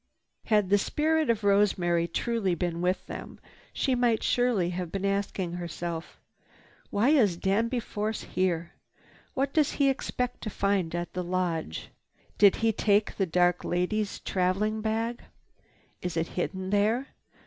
Had the spirit of Rosemary truly been with them, she must surely have been asking herself, "Why is Danby Force here? What does he expect to find at the lodge? Did he take the dark lady's traveling bag? Is it hidden there?